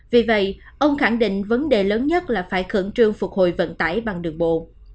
vì vậy ông khẳng định vấn đề lớn nhất là phải khẩn trương phục hồi vận tải bằng đường bộ